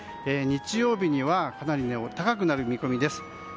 日曜日にはかなり高くなる見込みです。